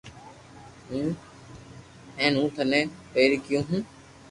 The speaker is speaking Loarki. ھين ھون ٿني پيري ڪيو ھون